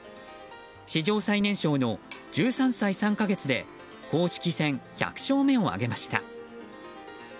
史上最年少の１３歳３か月で公式戦１００勝目を挙げました。